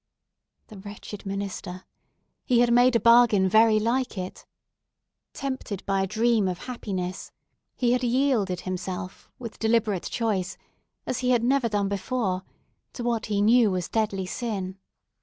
The wretched minister! He had made a bargain very like it! Tempted by a dream of happiness, he had yielded himself with deliberate choice, as he had never done before, to what he knew was deadly sin.